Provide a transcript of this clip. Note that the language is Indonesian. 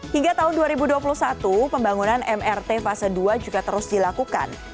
hingga tahun dua ribu dua puluh satu pembangunan mrt fase dua juga terus dilakukan